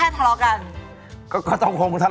แล้วคุณพูดกับอันนี้ก็ไม่รู้นะผมว่ามันความเป็นส่วนตัวซึ่งกัน